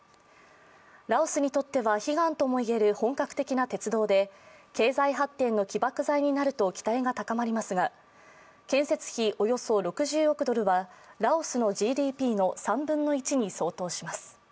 ラオスにとっては、悲願とも言える本格的な鉄道で経済発展の起爆剤になると期待が高まりますが、建設費およそ６０億ドルはラオスのＧＤＰの３分の１に相当します。